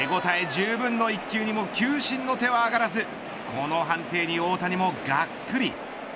じゅうぶんの１球にも球審の手は上がらずこの判定にも大谷もガックリ。